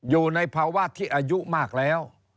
อยู่ในภาวะที่อายุมากแล้ว